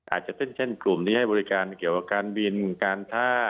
อาจจะเป็นเช่นกลุ่มที่ให้บริการเกี่ยวกับการบินการท่า